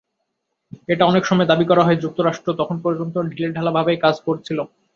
এটা অনেক সময় দাবি করা হয়, যুক্তরাষ্ট্র তখন পর্যন্ত ঢিলেঢালাভাবেই কাজ করছিল।